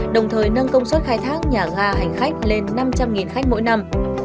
đồng thời nâng công suất khai thác nhà ga hành khách lên năm trăm linh khách mỗi năm